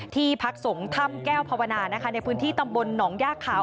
ที่พักสงฆ์ถ้ำแก้วภาวนานะคะในพื้นที่ตำบลหนองย่าขาว